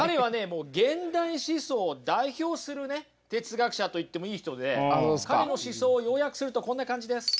もう現代思想を代表する哲学者と言ってもいい人で彼の思想を要約するとこんな感じです。